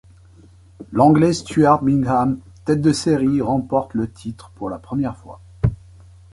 L'Anglais Stuart Bingham, tête de série remporte le titre pour la première fois.